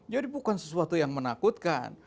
jadi bukan sesuatu yang menakutkan